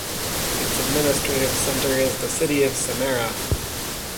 Its administrative center is the city of Samara.